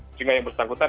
sehingga yang bersangkutan